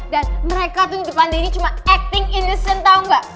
dan mereka tuh depan daddy cuma acting innocent tau gak